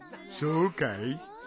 そうかい。